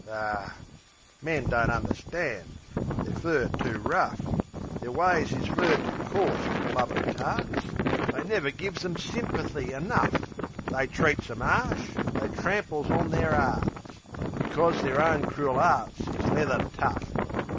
Ar, men don't understand; they're fur too rough; Their ways is fur too coarse wiv lovin' tarts; They never gives 'em symperthy enough. They treats 'em 'arsh; they tramples on their 'earts, Becos their own crool 'earts is leather tough.